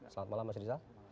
selamat malam mas rizal